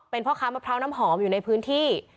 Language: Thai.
เป็นพ่อค้ามะพร้าวน้ำหอมอยู่ในพื้นที่